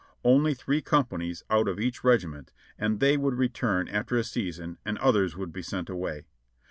Only three companies out of each regiment, and they would return after a season and others would be sent away.